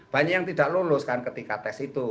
banyak yang tidak lolos kan ketika tes itu